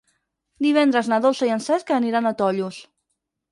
Divendres na Dolça i en Cesc aniran a Tollos.